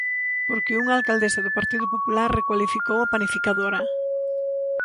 Porque unha alcaldesa do Partido Popular recualificou a Panificadora.